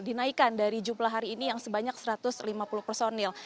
dinaikkan dari jumlah hari ini yang sebanyak satu ratus lima puluh personil